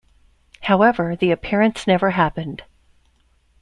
However, the appearance never happened.